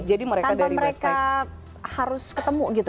jadi mereka harus ketemu gitu